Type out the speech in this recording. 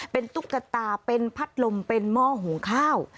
เป็นตุ๊กตาเป็นพัดลมเป็นหม้อหุงข้าว